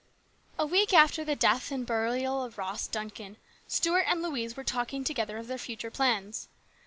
A WEEK after the death and burial of Ross Duncan, Stuart and Louise were talking together of their future plans.